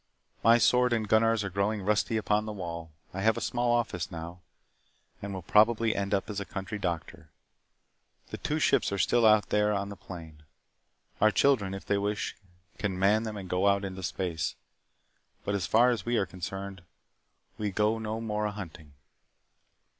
My sword and Gunnar's are growing rusty upon the wall. I have a small office now, and will probably end up as a country doctor. The two ships are still out there on the plain. Our children, if they wish, can man them and go out into space. But as far as we are concerned we go no more a hunting.